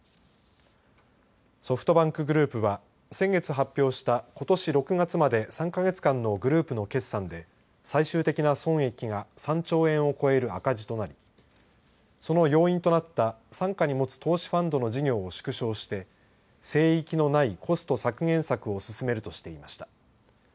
ソフトバンクグループは先月発表した、ことし６月まで３か月間のグループの決算で最終的な損益が３兆円を超える赤字となりその要因となった傘下に持つ投資ファンドの事業を縮小して聖域のないコスト削減策を進めるとしていました。